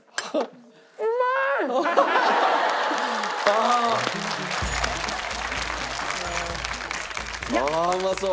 ああうまそう。